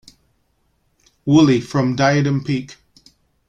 Woolley from Diadem Peak.